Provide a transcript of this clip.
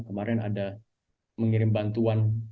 kemarin ada mengirim bantuan